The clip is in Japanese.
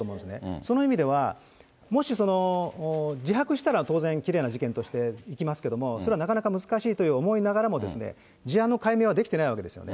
その意味では、もし自白したら、当然きれいな事件としていきますけれども、それはなかなか難しいと思いながらも、事案の解明はできていないわけですよね。